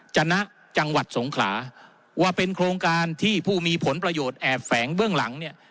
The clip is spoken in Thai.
จณะจังหวัดสงขลาว่าเป็นโครงการที่ผู้มีผลประโยชน์แอบแฝงเบื้องหลังเนี่ย